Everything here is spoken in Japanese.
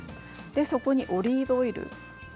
そこに、オリーブオイル。